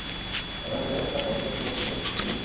কয়েকদিন আগে সাতগাঁয়ে সে একটি বসম্ভের রোগী দেখিতে গিয়াছিল।